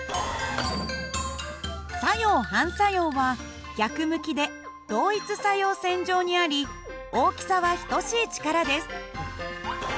作用・反作用は逆向きで同一作用線上にあり大きさは等しい力です。